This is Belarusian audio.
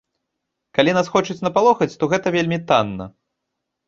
Калі нас хочуць напалохаць, то гэта вельмі танна.